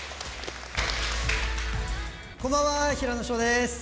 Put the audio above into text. こんばんは、平野紫燿です。